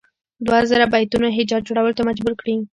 دوه زره بیتونو هجا جوړولو ته مجبور کړي.